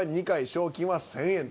賞金は１，０００円と。